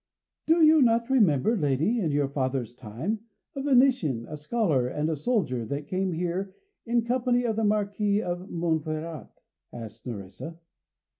"Do you not remember, lady, in your father's time, a Venetian, a scholar and a soldier, that came here in company of the Marquis of Monferrat?" asked Nerissa.